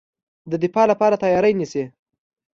د دفاع لپاره تیاری نیسي.